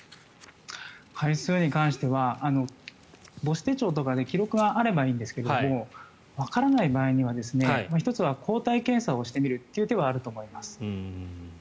回数に関しては母子手帳とかで記録があればいいんですがわからない場合には１つは抗体検査をしてみるという手はあると思います。